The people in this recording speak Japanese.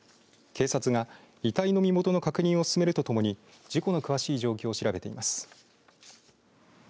警察は、遺体の身元の確認を進めるとともに事故の詳しい状況を調べています。